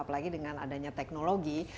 apalagi dengan adanya teknologi